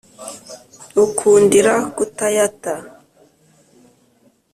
Nywukundira kutayata !